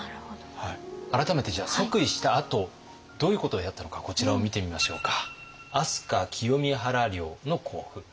改めてじゃあ即位したあとどういうことをやったのかこちらを見てみましょうか。